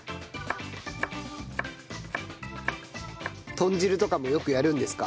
豚汁とかもよくやるんですか？